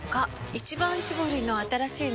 「一番搾り」の新しいの？